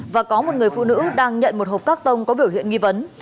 và có một người phụ nữ đang nhận một hộp các tông có biểu hiện nghi vấn